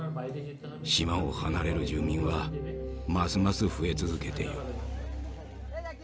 島を離れる住民はますます増え続けている。